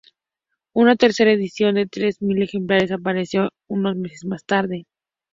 Una tercera edición de tres mil ejemplares apareció unos meses más tarde.